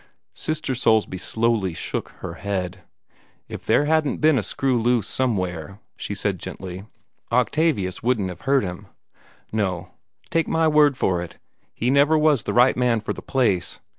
Sister Soulsby slowly shook her head. "If there hadn't been a screw loose somewhere," she said gently, "Octavius wouldn't have hurt him. No, take my word for it, he never was the right man for the place.